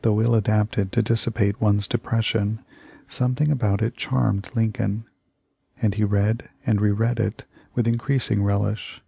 Though ill adapted to dissipate one's depression, something about it charmed Lincoln, and he read and re read it with increasing relish.